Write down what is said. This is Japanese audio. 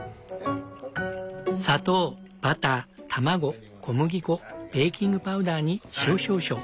砂糖バター卵小麦粉ベーキングパウダーに塩少々。